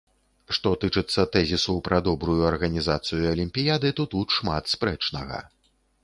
Што тычыцца тэзісу пра добрую арганізацыю алімпіяды, то тут шмат спрэчнага.